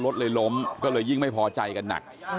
รถเลยล้มก็เลยยิ่งไม่พอใจกันหนัก